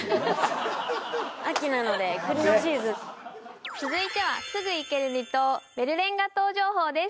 秋なのでクリのシーズン続いてはすぐ行ける離島ベルレンガ島情報です